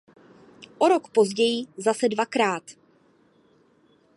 O rok později zase dvakrát.